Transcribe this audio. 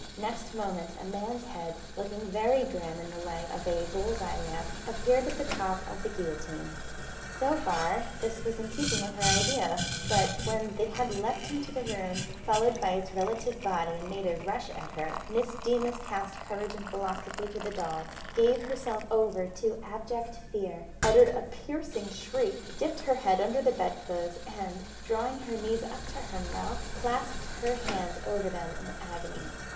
Next moment a man's head, looking very grim in the light of a bull's eye lamp, appeared at the top of the guillotine. So far this was in keeping with her idea; but when the head leapt into the room, followed by its relative body, and made a rush at her, Miss Deemas cast courage and philosophy to the dogs, gave herself over to abject fear, uttered a piercing shriek, dipped her head under the bedclothes, and, drawing her knees up to her mouth, clasped her hands over them in agony.